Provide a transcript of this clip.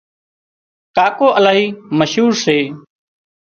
ڪاڪو الاهي مشهور سي